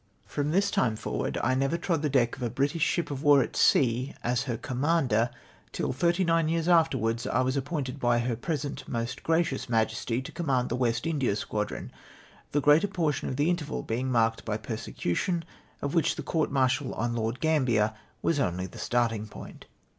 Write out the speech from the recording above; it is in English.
rRo:\[ this time forwartl I never trod the deck of a British ship of war at sea, as her commander, till thirty nine years afterwards I was appointed by her present most gracions Majesty to conunand tlie West India squadron ; tlie greater portion of the interval being marked by persecution of which the court martial on Lord Gambler was only the starting point.